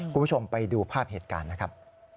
คุณผู้ชมไปดูภาพเหตุการณ์นะครับ